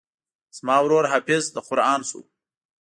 زما ورور حافظ د قران سو.